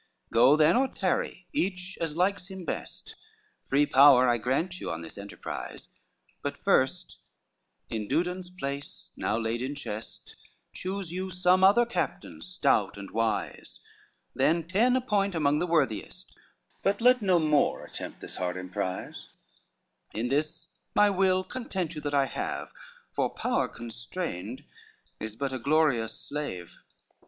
V "Go then or tarry, each as likes him best, Free power I grant you on this enterprise; But first in Dudon's place, now laid in chest, Choose you some other captain stout and wise; Then ten appoint among the worthiest, But let no more attempt this hard emprise, In this my will content you that I have, For power constrained is but a glorious slave."